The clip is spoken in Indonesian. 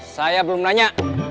saya belum nanya